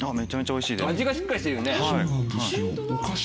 味がしっかりしてるよね。